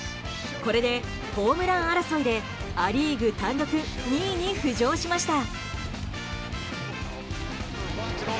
これでホームラン争いでア・リーグ単独２位に浮上しました。